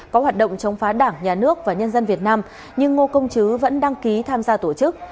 có hoạt động chống phá đảng nhà nước và nhân dân việt nam nhưng ngô công chứ vẫn đăng ký tham gia tổ chức